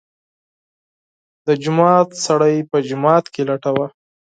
د جومات سړی په جومات کې لټوه.